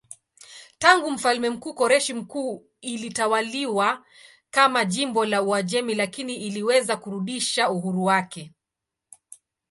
Tangu mfalme Koreshi Mkuu ilitawaliwa kama jimbo la Uajemi lakini iliweza kurudisha uhuru wake.